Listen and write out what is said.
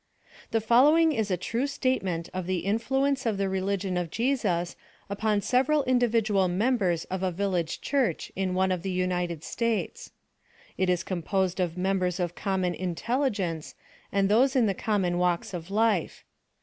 The following is a true statement of the influence of the religion of Jesus upon several individual members of a village church in one of the United States. It is composed of members of common in telligence, and those in the common walks of life.